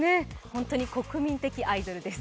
本当に国民的アイドルです。